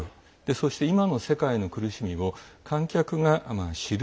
そして、今の世界の苦しみを観客が知る。